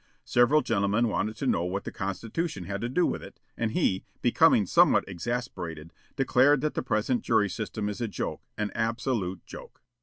Several gentlemen wanted to know what the constitution had to do with it, and he, becoming somewhat exasperated, declared that the present jury system is a joke, an absolute joke.